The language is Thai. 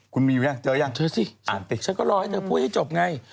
คุณมีเองเจอยังอ่านติดเจอสิเชิดก็รอให้จะพูดให้จบไง